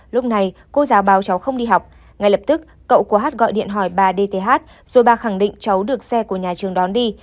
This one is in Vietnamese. lúc này cô giáo báo cháu không đi học ngay lập tức cậu của hát gọi điện hỏi bà dth rồi bà khẳng định cháu được xe của nhà trường đón đi